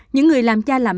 những người làm cha làm mẹ